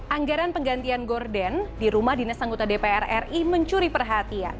anggaran penggantian gorden di rumah dinas anggota dpr ri mencuri perhatian